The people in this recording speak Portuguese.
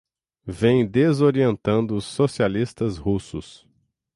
vêm desorientando os socialistas russos